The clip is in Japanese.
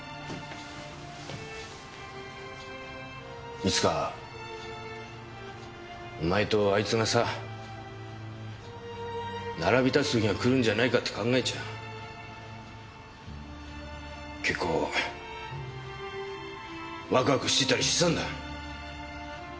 いつかお前とあいつがさ並び立つ時が来るんじゃないかって考えちゃ結構ワクワクしてたりしてたんだ。